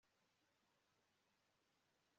Gusa icyo mpangayikishije nuko nta mpungenge mfite